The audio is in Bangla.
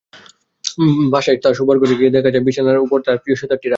বাসায় তাঁর শোবার ঘরে গিয়ে দেখা যায়, বিছানার ওপর প্রিয় সেতারটা রাখা।